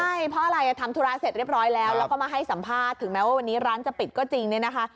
ใช่เพราะอะไรทำธุระเสร็จเรียบร้อยแล้วแล้วก็มาให้สัมภาษณ์ถึงแม้ว่าวันนี้ร้านจะปิดก็จริงเนี่ยนะคะ